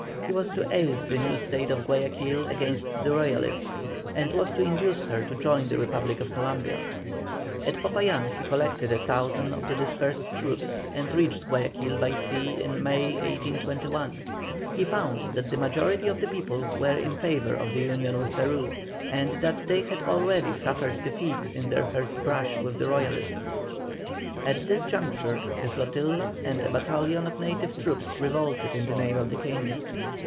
He was to aid the new State of Guayaquil against the Royalists, and was to induce her to join the Republic of Columbia. At Popayán he collected a thousand of the dispersed troops, and reached Guayaquil by sea in May, 1821. He found that the majority of the people were in favour of union with Peru, and that they had already suffered defeat in their first brush with the Royalists. At this juncture the flotilla and a battalion of native troops revolted in the name of the King.